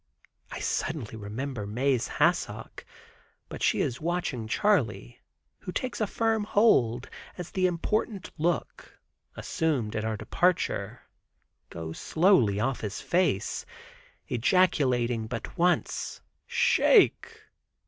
I suddenly remember Mae's hassock, but she is watching Charley, who takes a firm hold, as the important look, assumed at our departure, goes slowly off his face, ejaculating but once "Shake."